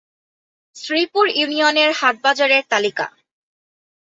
শ্রীপুর ইউনিয়নের হাট-বাজারের তালিকাঃ